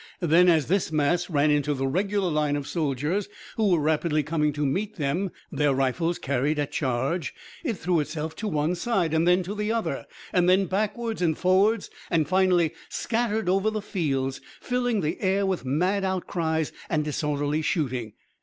Then as this mass ran into the regular line of soldiers, who were rapidly coming to meet them, their rifles carried at charge, it threw itself to one side, then to the other, then backwards and forwards and finally scattered over the fields, filling the air with mad outcries and disorderly shooting.